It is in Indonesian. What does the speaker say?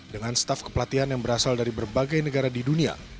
dengan staf kepelatihan yang berasal dari berbagai negara di dunia